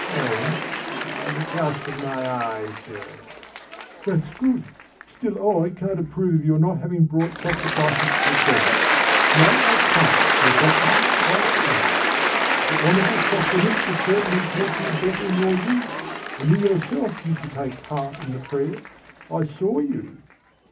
"Friend, I have accustomed my eyes to it." "That's good. Still I, can't approve of your not having brought sacrifices to the gods. No, I can't, poor Socrates, I can't. The honourable Sophroniscus certainly taught you better in your youth, and you yourself used to take part in the prayers. I saw you."